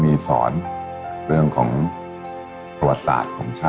แต่ตอนเด็กก็รู้ว่าคนนี้คือพระเจ้าอยู่บัวของเรา